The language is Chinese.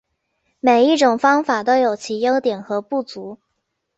每一种方法都有其优点和不足。